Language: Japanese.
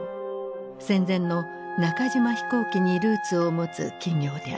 戦前の中島飛行機にルーツを持つ企業である。